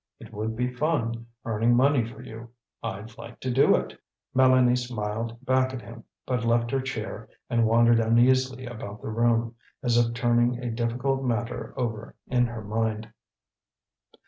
It would be fun, earning money for you; I'd like to do it." Mélanie smiled back at him, but left her chair and wandered uneasily about the room, as if turning a difficult matter over in her mind.